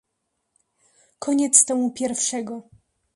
"koniec tomu pierwszego."